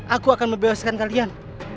aku akan membebaskan kalian